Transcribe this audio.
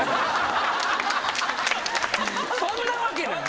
そんなわけない。